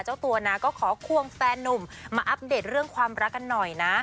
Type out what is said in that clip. เจ้าตัวนะก็ขอควงแฟนนุ่มมาอัปเดตเรื่องความรักกันหน่อยนะ